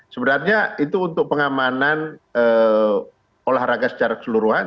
sebenarnya itu untuk pengamanan olahraga secara keseluruhan